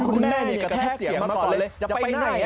คุณแม่นี่กระแทกเสียงมาก่อนเลยจะไปไหน